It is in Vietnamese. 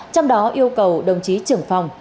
trong đó yêu cầu đồng chí trưởng phòng